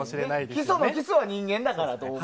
基礎の基礎は人間だからと。